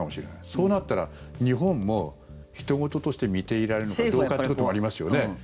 そうなったら日本もひと事として見ていられるのかどうかということがありますよね。